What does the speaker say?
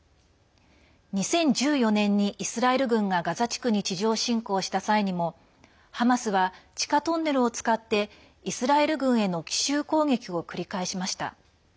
２０１４年にイスラエル軍がガザ地区に地上侵攻した際にもハマスは地下トンネルを使ってイスラエル軍への奇襲攻撃を繰り返しました。